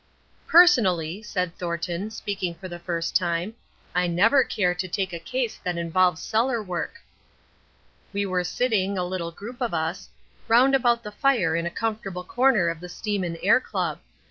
_ "Personally," said Thornton, speaking for the first time, "I never care to take a case that involves cellar work." We were sitting a little group of us round about the fire in a comfortable corner of the Steam and Air Club.